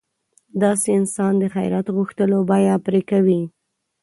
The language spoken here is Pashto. داسې انسان د خیرات غوښتلو بیه پرې کوي.